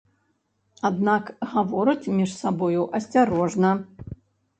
Аднак гавораць між сабою асцярожна.